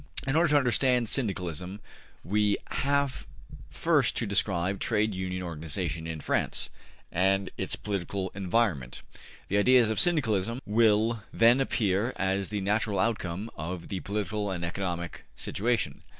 In order to understand Syndicalism, we have first to describe Trade Union organization in France, and its political environment. The ideas of Syndicalism will then appear as the natural outcome of the political and economic situation.